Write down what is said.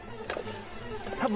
多分。